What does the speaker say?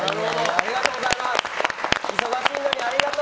ありがとうございます。